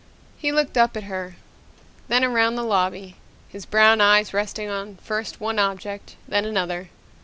He looked up at her, then around the lobby, his brown eyes resting on first one object, then another.